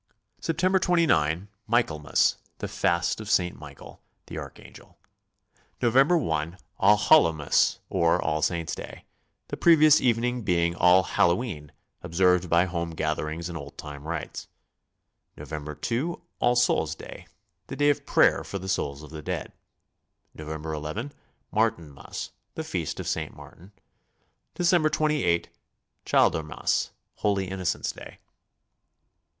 September 29, Michaelmas, the Fast of St. Michael, the Archangel. November i. Allhallo wmas, or All Saints' Day, the previous evening being All hallow e'en, observed by home gatherings and old time rites. November 2, All Souls' Day, the day of prayer for the so'uls of the dead. November ii, Martinmas, the Feast of St. Martin. December 28, Childer mas, Holy Innocents' Day.